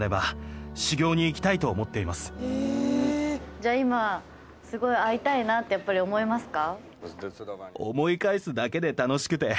じゃあ今すごい会いたいなってやっぱり思いますか？